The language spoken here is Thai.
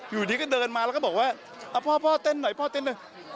อยู่นี้เขาเดินมาแล้วก็บอกว่าพ่อเต้นหน่อย